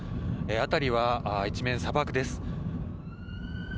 辺りは一面、砂漠です。